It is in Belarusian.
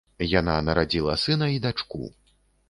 Яна нарадзіла сына і дачку.